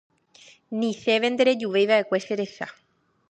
Ni chéve nderejuveiva'ekue cherecha.